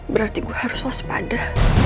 berarti gue harus waspada